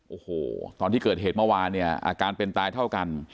โอ้โหตอนที่เกิดเหตุเมื่อวานเนี่ยอาการเป็นตายเท่ากัน